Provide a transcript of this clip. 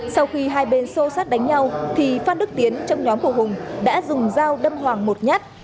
sau khi hai bên xô sát đánh nhau thì phan đức tiến trong nhóm của hùng đã dùng dao đâm hoàng một nhát